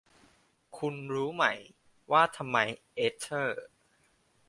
คุณรู้ไหมว่าทำไม เอสเธอร์